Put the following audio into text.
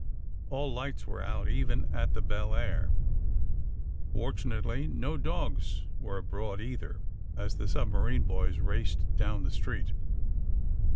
All lights were out, even at the Belleair. For tunately, no dogs were abroad, either, as the submarine boys raced down the street.